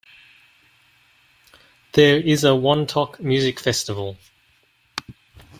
There is a Wantok Music Festival.